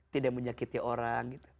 tidak menyakiti orang